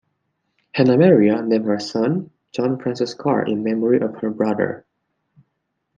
Hannah Maria named her son, John Francis Carr in memory of her brother.